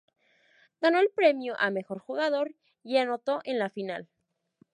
Ganó el premio a mejor jugador y anotó en la final.